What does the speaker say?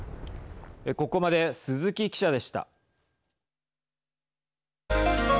ここまで鈴木記者でした。